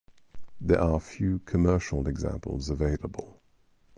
There are few commercial examples available.